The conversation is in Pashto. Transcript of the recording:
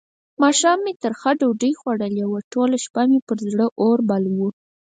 ماښام مې ترخه ډوډۍ خوړلې وه؛ ټوله شپه مې پر زړه اور بل وو.